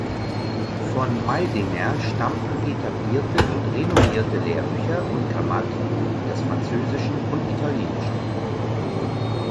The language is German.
Von Meidinger stammten etablierte und renommierte Lehrbücher und Grammatiken des Französischen und Italienischen.